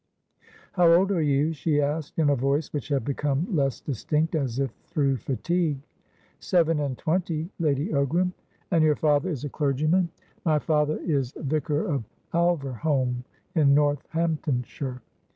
"How old are you?" she asked, in a voice which had become less distinct, as if through fatigue. "Seven and twenty, Lady Ogram." "And your father is a clergyman?" "My father is vicar of Alverholme, in Northamptonshire."